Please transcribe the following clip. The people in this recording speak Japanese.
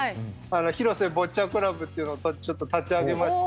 廣瀬ボッチャクラブというのをちょっと立ち上げまして。